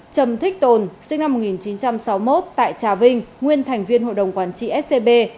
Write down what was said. trầm thích tồn sinh năm một nghìn chín trăm sáu mươi một tại trà vinh nguyên thành viên hội đồng quản trị scb